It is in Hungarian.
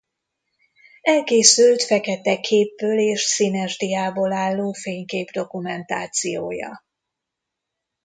Elkészült fekete képből és színes diából álló fényképdokumentációja.